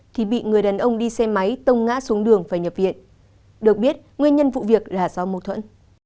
thì bị người đàn ông đi xe máy tông ngã xuống đường phải nhập viện được biết nguyên nhân vụ việc là do mâu thuẫn